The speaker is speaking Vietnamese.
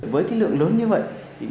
với lượng lớn như vậy